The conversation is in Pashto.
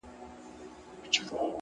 د حقیقت درناوی وجدان پیاوړی کوي!